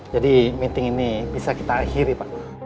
jadi meeting ini bisa kita akhiri pak